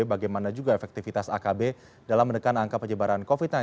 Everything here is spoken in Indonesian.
bagaimana juga efektivitas akb dalam menekan angka penyebaran covid sembilan belas